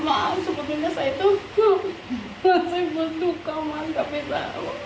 maaf sebetulnya saya tuh masih berduka manggapnya